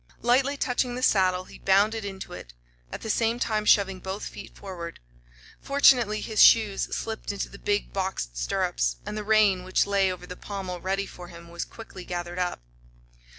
Lightly touching the saddle, he bounded into it, at the same time shoving both feet forward. Fortunately his shoes slipped into the big, boxed stirrups, and the rein which lay over the pommel ready for him was quickly gathered up.